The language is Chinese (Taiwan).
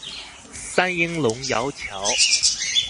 三鶯龍窯橋